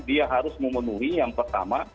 dia harus memenuhi yang pertama